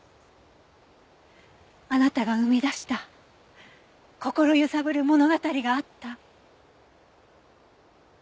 あなたが生み出した心揺さぶる物語があった。